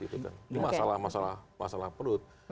ini masalah masalah perut